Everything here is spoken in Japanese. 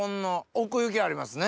奥行きありますね！